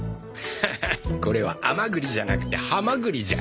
ハハッこれはアマグリじゃなくてハマグリじゃ。